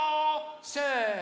せの！